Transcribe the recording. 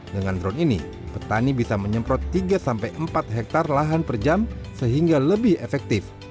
dengan drone ini petani bisa menyemprot tiga sampai empat hektare lahan per jam sehingga lebih efektif